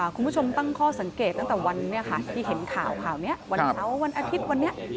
คุณผู้ชมตั้งข้อสังเกตตั้งแต่วันนี้ค่ะที่เห็นข่าวข่าวนี้วันเสาร์วันอาทิตย์วันนี้